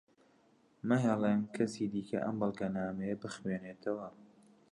مەهێڵن کەسی دیکە ئەم بەڵگەنامەیە بخوێنێتەوە.